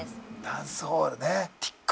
『ダンスホール』ね。